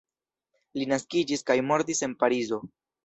Li naskiĝis kaj mortis en Parizo.